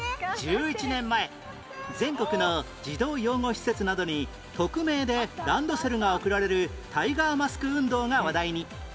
１１年前全国の児童養護施設などに匿名でランドセルが贈られるタイガーマスク運動が話題に